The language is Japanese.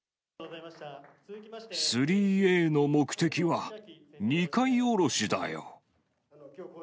３Ａの目的は、二階降ろしだよ。